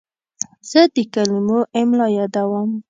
زه د کلمو املا یادوم.